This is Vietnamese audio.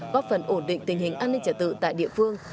góp phần ổn định tình hình an ninh trả tự tại địa phương